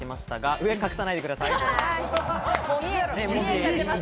文字を隠さないでください。